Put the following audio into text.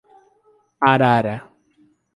Arara